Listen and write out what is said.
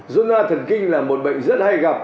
zona thần kinh là một bệnh rất hay gặp